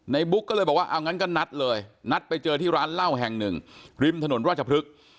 บุ๊กก็เลยบอกว่าเอางั้นก็นัดเลยนัดไปเจอที่ร้านเหล้าแห่งหนึ่งริมถนนราชพฤกษ์